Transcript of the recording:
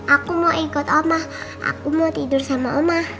aku mau ikut omah aku mau tidur sama omah